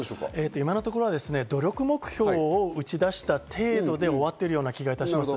今のところは努力目標を打ち出した程度で終わっているような気がいたします。